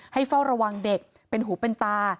เฝ้าระวังเด็กเป็นหูเป็นตา